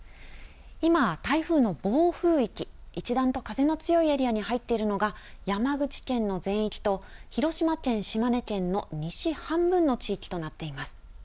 今、台風の暴風域、一段と風の強いエリアに入っているのが、山口県の全域と広島県、島根県の西半分の地域となっています。